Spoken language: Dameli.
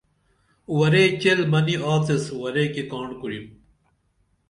ورے چیل بنی آڅیس ورے کی کاڻ کُریم